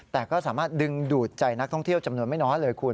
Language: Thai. แต่ก็สามารถดึงดูดใจนักท่องเที่ยวจำนวนไม่น้อยเลยคุณ